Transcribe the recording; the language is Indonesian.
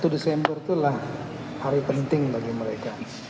satu desember itulah hari penting bagi mereka